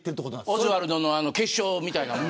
オズワルドの決勝みたいなもん。